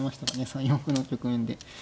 ３四歩の局面で。